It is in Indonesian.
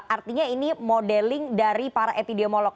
artinya ini modeling dari para epidemiolog